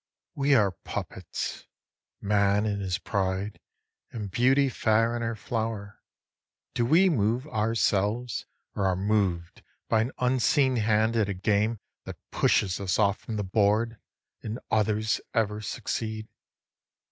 5. We are puppets, Man in his pride, and Beauty fair in her flower; Do we move ourselves, or are moved by an unseen hand at a game That pushes us off from the board, and others ever succeed?